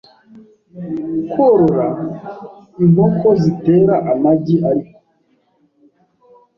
korora inkoko zitera amagi ariko